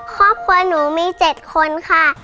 ครอบครัวหนูมี๗คนค่ะ